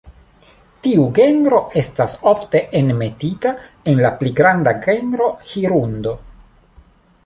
Tiu genro estas ofte enmetita en la pli granda genro "Hirundo".